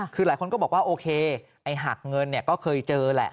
คือหลายคนก็บอกว่าโอเคไอ้หักเงินเนี่ยก็เคยเจอแหละ